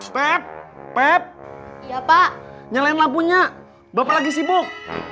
pep pep ya pak nyalain lampunya bapak lagi sibuk